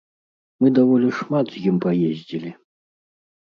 Мы даволі шмат з ім паездзілі.